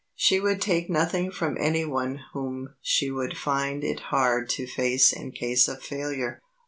She would take nothing from any one whom she would find it hard to face in case of failure.